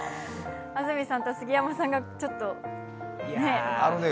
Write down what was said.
安住さんと杉山さんがちょっと、ね。